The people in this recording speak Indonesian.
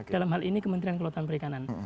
dalam hal ini kementerian kelautan perikanan